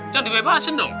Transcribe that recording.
jangan dibebasin dong